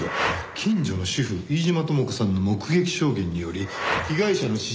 近所の主婦飯島智子さんの目撃証言により被害者の知人